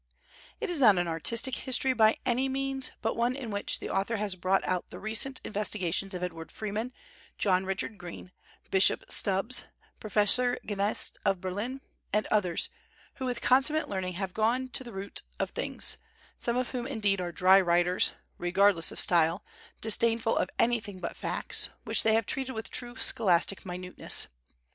It is not an artistic history, by any means, but one in which the author has brought out the recent investigations of Edward Freeman, John Richard Green, Bishop Stubbs, Professor Gneist of Berlin, and others, who with consummate learning have gone to the roots of things, some of whom, indeed, are dry writers, regardless of style, disdainful of any thing but facts, which they have treated with true scholastic minuteness.